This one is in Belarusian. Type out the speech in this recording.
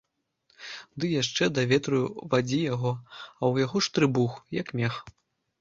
Ды яшчэ да ветру вадзі яго, а ў яго ж трыбух, як мех.